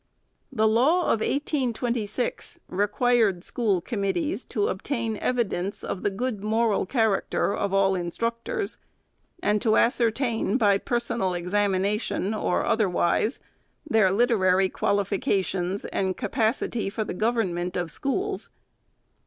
The law of 1826 required school committees to obtain evidence of the good moral character of all instructors, and to ascertain, "by personal examination or otherwise, their literary qualifications and capacity for the govern ment of schools."